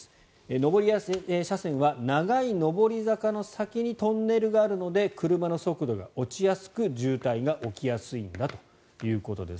上り車線は長い上り坂の先にトンネルがあるので車の速度が落ちやすく、渋滞が起きやすいんだということです。